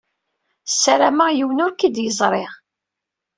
Sarameɣ yiwen ur k-id-iẓṛi.